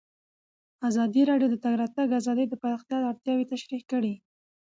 ازادي راډیو د د تګ راتګ ازادي د پراختیا اړتیاوې تشریح کړي.